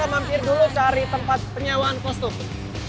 kalo kita mampir dulu cari tempat penyewaan costume